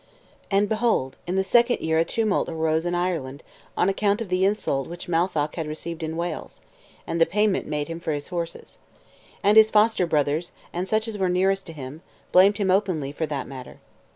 And, behold, in the second year a tumult arose in Ireland, on account of the insult which Matholch had received in Wales, and the payment made him for his horses. And his foster brothers, and such as were nearest to him, blamed him openly for that matter.